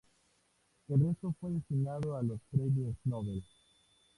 El resto fue destinado a los Premios Nobel.